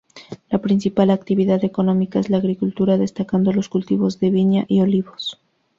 La principal actividad económica es la agricultura, destacando los cultivos de viña y olivos.